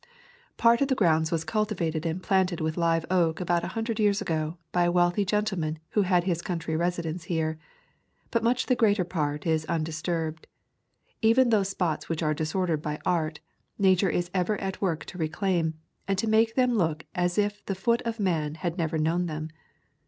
Part of the grounds was cultivated and planted with live oak, about a hundred years ago, by a wealthy gentleman who had his coun try residence here. But much the greater part is undisturbed. Even those spots which are disordered by art, Nature is ever at work to reclaim, and to make them look as if the foot of man had never known them.